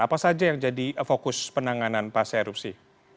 apa saja yang jadi fokus penanganan pas erupsi